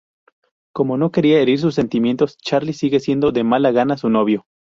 Como no quería herir sus sentimientos, Charlie sigue siendo de mala gana su novio.